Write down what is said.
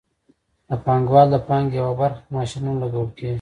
د پانګوال د پانګې یوه برخه په ماشینونو لګول کېږي